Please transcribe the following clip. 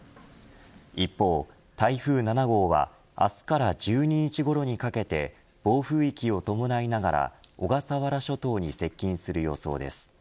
一方、台風７号は明日から１２日ごろにかけて暴風域を伴いながら小笠原諸島に接近する予想です。